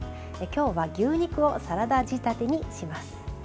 今日は、牛肉をサラダ仕立てにします。